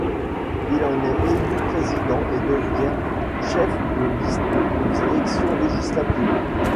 Il en est élu président et devient chef de liste aux élections législatives.